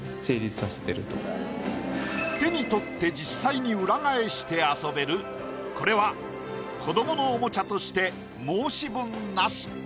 手に取って実際に裏返して遊べるこれは子どものおもちゃとして申し分なし。